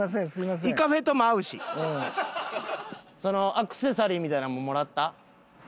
アクセサリーみたいなのももらった？